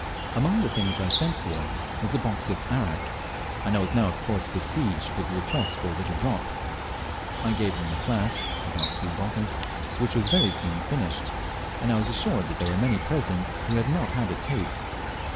Among the things I had sent for was a box of arrack, and I was now of course besieged with requests for a little drop. I gave them a flask (about two bottles), which was very soon finished, and I was assured that there were many present who had not had a taste.